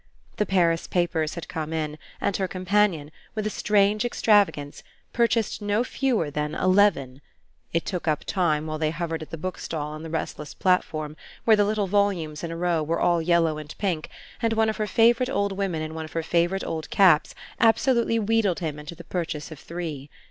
The Paris papers had come in and her companion, with a strange extravagance, purchased no fewer than eleven: it took up time while they hovered at the bookstall on the restless platform, where the little volumes in a row were all yellow and pink and one of her favourite old women in one of her favourite old caps absolutely wheedled him into the purchase of three.